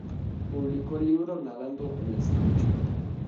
Publicó el libro "Nadando el Estrecho.